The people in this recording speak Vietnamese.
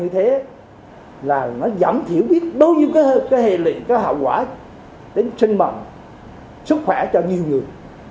thế là nó giảm thiểu biết đối với hệ lị hậu quả tính sinh mộng sức khỏe cho nhiều người